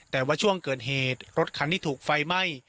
แต่ว่าช่วงเกิดเหตุรถคันที่ถูกไฟไหม้